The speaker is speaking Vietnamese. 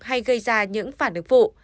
hay gây ra những phản ứng vụ